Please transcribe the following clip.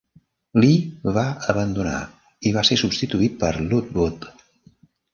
Lee va abandonar i va ser substituït per Lockwood.